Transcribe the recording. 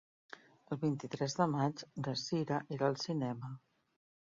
El vint-i-tres de maig na Sira irà al cinema.